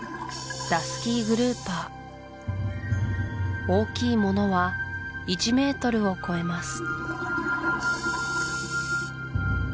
ダスキーグルーパー大きいものは１ｍを超えます